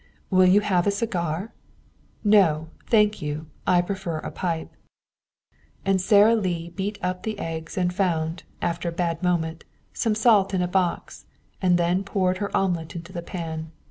'Will you have a cigar?' 'No, thank you. I prefer a pipe.'" And Sara Lee beat up the eggs and found, after a bad moment, some salt in a box, and then poured her omelet into the pan.